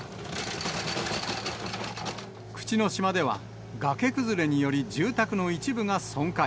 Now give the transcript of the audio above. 口之島では、崖崩れにより住宅の一部が損壊。